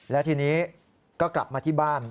แล้วทีนี้ก็กลับมาที่บ้าน